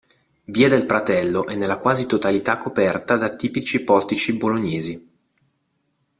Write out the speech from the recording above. Via del Pratello è nella quasi totalità coperta dai tipici portici bolognesi.